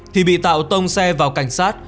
thì bị tạo tông xe vào cảnh sát